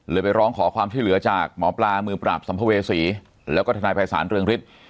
ไปร้องขอความช่วยเหลือจากหมอปลามือปราบสัมภเวษีแล้วก็ทนายภัยศาลเรืองฤทธิ์